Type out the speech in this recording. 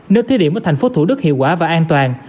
nếu thí điểm ở thành phố thủ đức hiệu quả và an toàn